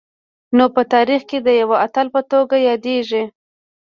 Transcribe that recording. نو په تاریخ کي د یوه اتل په توګه یادیږي